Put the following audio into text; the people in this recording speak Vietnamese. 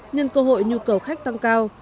nhưng cơ hội nhu cầu khách tăng cao